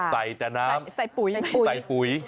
ใส่แต่น้ำใส่ปุ๋ย